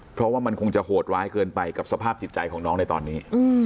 เพราะว่ามันคงจะโหดร้ายเกินไปกับสภาพจิตใจของน้องในตอนนี้